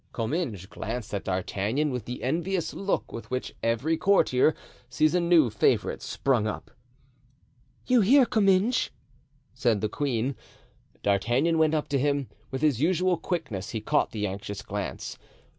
Comminges glanced at D'Artagnan with the envious look with which every courtier sees a new favorite spring up. "You hear, Comminges?" said the queen. D'Artagnan went up to him; with his usual quickness he caught the anxious glance.